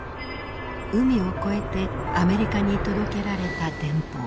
海を越えてアメリカに届けられた電報。